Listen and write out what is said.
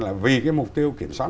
là vì cái mục tiêu kiểm soát